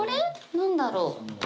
何だろう？